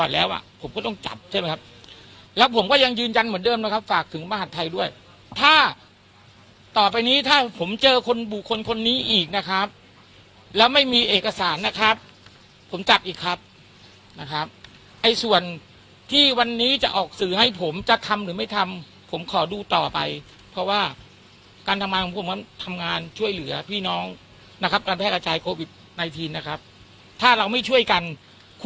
แล้วอ่ะผมก็ต้องจับใช่ไหมครับแล้วผมก็ยังยืนยันเหมือนเดิมนะครับฝากถึงมหาดไทยด้วยถ้าต่อไปนี้ถ้าผมเจอคนบุคคลคนนี้อีกนะครับแล้วไม่มีเอกสารนะครับผมจับอีกครับนะครับไอ้ส่วนที่วันนี้จะออกสื่อให้ผมจะทำหรือไม่ทำผมขอดูต่อไปเพราะว่าการทำงานของผมมันทำงานช่วยเหลือพี่น้องนะครับการแพร่กระจายโควิดไนทีนนะครับถ้าเราไม่ช่วยกันค